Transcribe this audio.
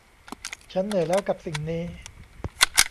ฉันเหนื่อยแล้วกับสิ่งนี้